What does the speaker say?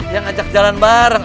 ya ngajak jalan bareng